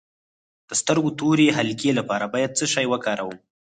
د سترګو د تورې حلقې لپاره باید څه شی وکاروم؟